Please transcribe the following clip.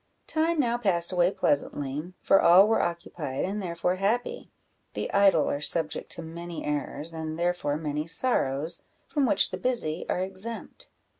Time now passed away pleasantly, for all were occupied, and therefore happy: the idle are subject to many errors, and therefore many sorrows, from which the busy are exempt.